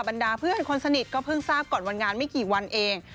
บรรดาเพื่อนคนสนิทก็เพิ่งทราบก่อนวันงานไม่กี่วันเอง